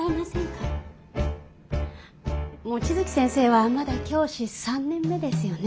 望月先生はまだ教師３年目ですよね。